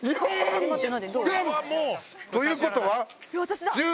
４！ということは。